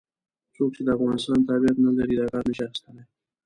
څوک چې د افغانستان تابعیت نه لري دا کارت نه شي اخستلای.